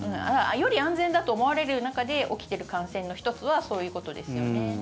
より安全だと思われる中で起きている感染の１つはそういうことですよね。